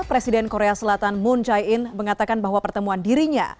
presiden korea selatan moon jae in mengatakan bahwa pertemuan dirinya